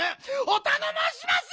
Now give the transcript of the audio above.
おたのもうします！